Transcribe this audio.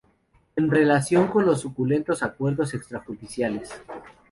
En relación con los suculentos acuerdos extrajudiciales